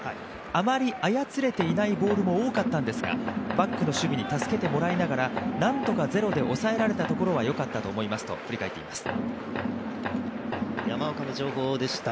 あまり操れていないボールも多かったんですがバックの守備に助けてもらいながらなんとかゼロに抑えられたことはよかったと思いますというコメントでした。